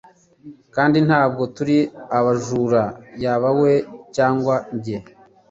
kandi ntabwo turi abajura yaba we cyangwa njye